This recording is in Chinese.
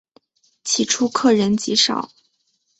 起初客人极少。